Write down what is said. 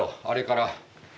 あれから。